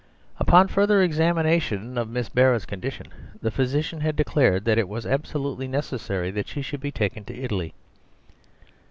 Upon further examination of Miss Barrett's condition, the physicians had declared that it was absolutely necessary that she should be taken to Italy.